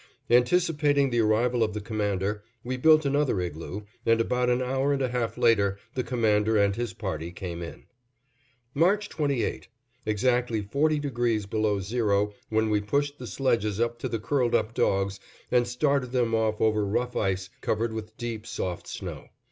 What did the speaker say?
Anticipating the arrival of the Commander, we built another igloo, and about an hour and a half later the Commander and his party came in. March 28: Exactly 40° below zero when we pushed the sledges up to the curled up dogs and started them off over rough ice covered with deep soft snow.